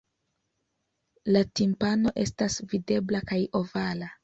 La timpano estas videbla kaj ovala.